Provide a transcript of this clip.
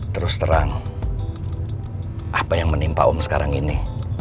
terus terang apa yang menimpa om sekarang ini